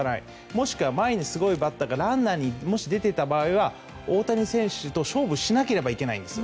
もしくは前にすごいバッターがランナーに出ていた場合大谷選手と勝負しなければいけないんです。